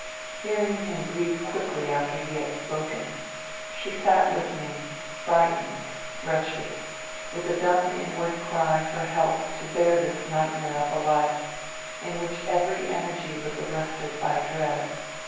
Hearing him breathe quickly after he had spoken, she sat listening, frightened, wretched—with a dumb inward cry for help to bear this nightmare of a life in which every energy was arrested by dread.